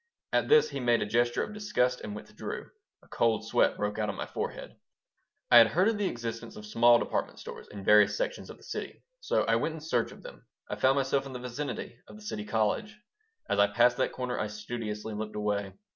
At this he made a gesture of disgust and withdrew. A cold sweat broke out on my forehead I had heard of the existence of small department stores in various sections of the city, so I went in search of them I found myself in the vicinity of the City College. As I passed that corner I studiously looked away.